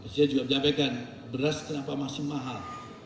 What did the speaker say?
saya juga menyampaikan beras kenapa masih mahal